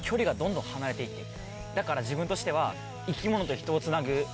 だから自分としては。